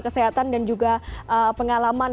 kesehatan dan juga pengalaman